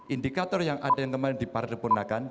indikator yang ada yang kemarin diparipurnakan